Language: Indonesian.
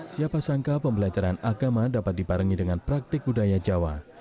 siapa sangka pembelajaran agama dapat dibarengi dengan praktik budaya jawa